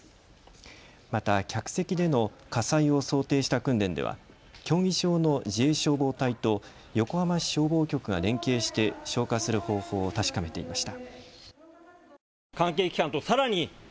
また客席での火災を想定した訓練では競技場の自衛消防隊と横浜市消防局が連携して消火する方法を確かめていました。